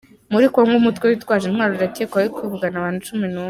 Muri Kongo Umutwe Witwaje Intwaro urakekwaho kwivugana abantu cumi numwe